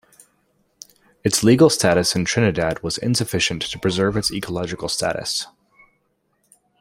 Its legal status in Trinidad was insufficient to preserve its ecological status.